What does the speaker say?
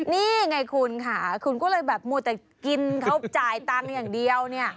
นี่ไงคุณค่ะคุณก็เลยแบบมัวแต่กินเขาจ่ายตังค์อย่างเดียวเนี่ย